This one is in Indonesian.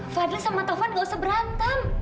fadil sama taufan gak usah berantem